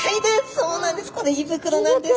そうなんです